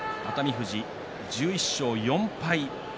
富士は１１勝４敗。